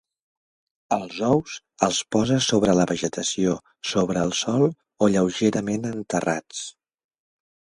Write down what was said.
Els ous, els poses sobre la vegetació, sobre el sòl o lleugerament enterrats.